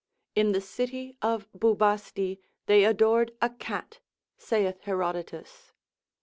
In the city of Bubasti they adored a cat, saith Herodotus.